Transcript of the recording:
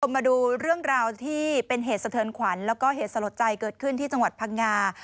มาดูเรื่องราวที่เป็นเหตุสะเทินขวัญแล้วก็เหตุสลดใจเกิดขึ้นที่จังหวัดพังงา